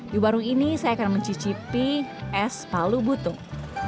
di warung ini saya akan mencicipi es palu butung